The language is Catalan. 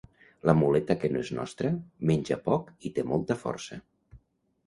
La muleta que no és nostra, menja poc i té molta força.